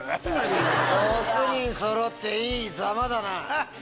６人そろっていい様だな。